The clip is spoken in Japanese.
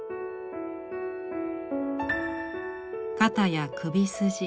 肩や首筋。